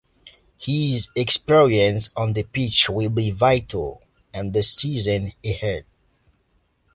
His experience on the pitch will be vital in the season ahead.